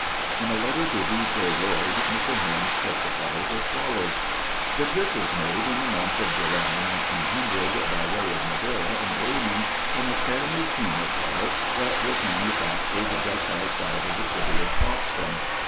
In a letter to J. V. Lloyd, Mr. Holmes testifies as follows: This trip was made in the month of July by way of Madera and Raymond in a Stanley Steamer car that was manufactured just outside of the city of Boston.